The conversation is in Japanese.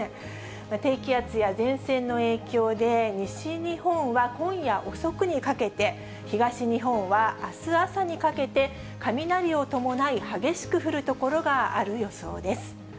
低気圧や前線の影響で、西日本は今夜遅くにかけて、東日本はあす朝にかけて、雷を伴い激しく降る所がある予想です。